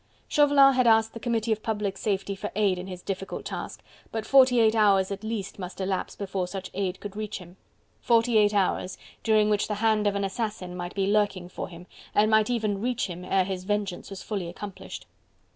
Chauvelin had asked the Committee of Public Safety for aid in his difficult task, but forty eight hours at least must elapse before such aid could reach him. Forty eight hours, during which the hand of an assassin might be lurking for him, and might even reach him ere his vengeance was fully accomplished.